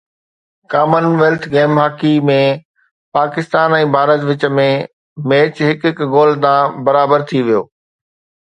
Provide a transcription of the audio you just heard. ڪمن wealth Games hockey ۾ Pakistan ۽ Bharat وچ ۾ match هڪ هڪ گول تان برابر ٿي ويو